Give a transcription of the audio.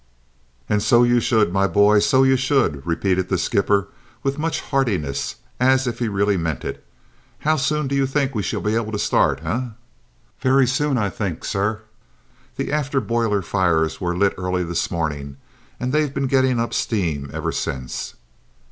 "And so you should, my boy; so you should," repeated the skipper with much heartiness, and as if he really meant it. "How soon do you think we shall be able to start, eh?" "Very soon, I think, sir. The after boiler fires were lit early this morning and they've been getting up steam ever since."